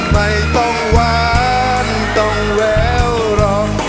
ไม่ต้องหวานต้องแววหรอก